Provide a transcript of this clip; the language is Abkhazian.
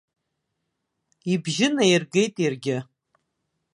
Ибжьы наиргеит иаргьы.